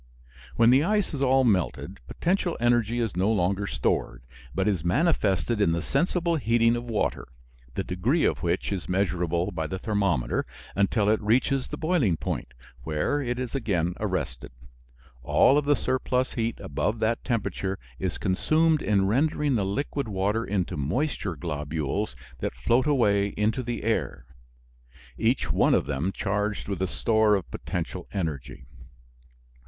When the ice is all melted potential energy is no longer stored, but is manifested in the sensible heating of water, the degree of which is measurable by the thermometer, until it reaches the boiling point, where it is again arrested. All of the surplus heat above that temperature is consumed in rending the liquid water into moisture globules that float away into the air, each one of them charged with a store of potential energy.